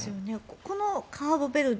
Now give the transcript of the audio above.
このカボベルデ